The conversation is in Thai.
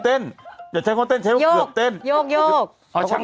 ต้องใช้คำว่าเต้นใช้เพียงเกือบเต้น